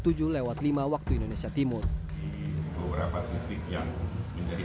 di beberapa titik yang menjadi akses masuknya dua dari timur sampai ke bagian barat